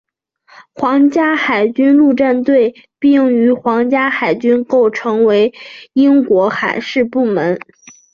皇家海军陆战队并与皇家海军构成为英国海事部门。